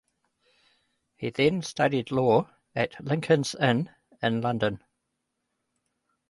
He then studied law at Lincoln's Inn in London.